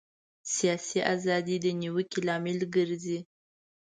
سیاسي ازادي د نیوکې لامل ګرځي.